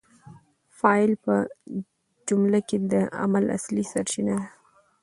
فاعل په جمله کي د عمل اصلي سرچینه ده.